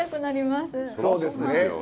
そうですね。